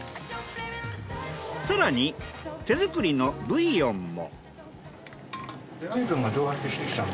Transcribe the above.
更に手作りのブイヨンも。